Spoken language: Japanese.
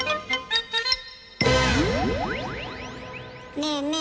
ねえねえ